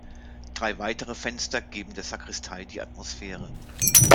Drei weitere Fenster geben der Sakristei die Atmosphäre.